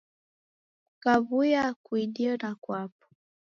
Kakaw'uya kuidie na kwapo.